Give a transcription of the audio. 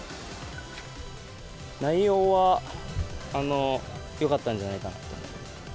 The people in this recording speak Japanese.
内容は、よかったんじゃないかなと。